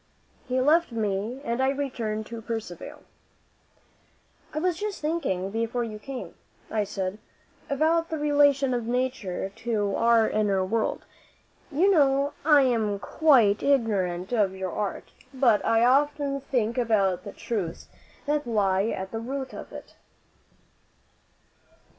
He left me and I returned to Percivale. "I was just thinking before you came," I said, "about the relation of Nature to our inner world. You know I am quite ignorant of your art, but I often think about the truths that lie at the root of it."